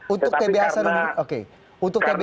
untuk tba sanudin sendiri